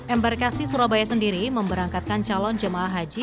embarkasi surabaya sendiri memberangkatkan calon jemaah haji